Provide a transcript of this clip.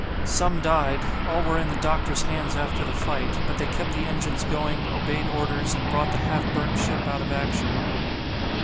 Some died, all were in the doctor's hands after the fight, but they kept the engines going, obeyed orders, and brought the half burnt ship out of action.